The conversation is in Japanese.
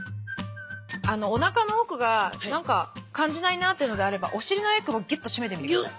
おなかの奥が何か感じないなというのであればお尻のえくぼギュッと締めてみて下さい。